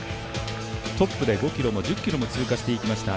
トップで５ｋｍも１０ｋｍも通過していきました。